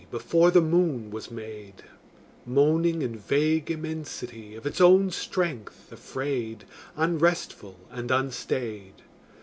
Before the moon was made, Moaning in vague immensity, Of its own strength afraid, Unresful and unstaid.